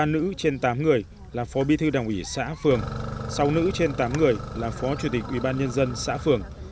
ba nữ trên tám người là phó bí thư đồng ủy xã phường sáu nữ trên tám người là phó chủ tịch ủy ban nhân dân xã phường